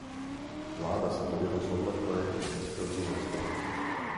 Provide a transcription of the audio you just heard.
Vláda se tedy rozhodla projekt a výstavbu zastavit.